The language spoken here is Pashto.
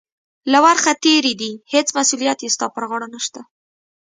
له ورخه تېرې دي، هېڅ مسؤلیت یې ستا پر غاړه نشته.